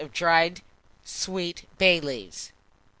of dried sweet bay leaves.